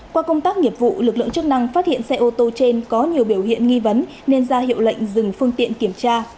qua công tác nghiệp vụ lực lượng chức năng phát hiện xe ô tô trên có nhiều biểu hiện nghi vấn nên ra hiệu lệnh dừng phương tiện kiểm tra